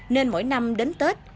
nên mỗi năm đến tết